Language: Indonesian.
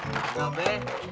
masih mau be